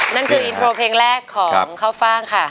นั่นคืออินโทรเพลงแรกของข้าวฟ่างค่ะ